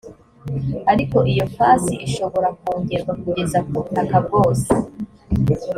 ariko iyo fasi ishobora kongerwa kugeza ku butaka bwose